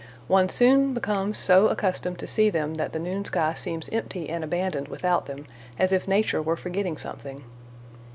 One soon becomes so accustomed to see them that the noon sky seems empty and abandoned without them, as if Nature were forgetting something.